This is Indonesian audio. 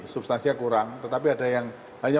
substansinya kurang tetapi ada yang hanya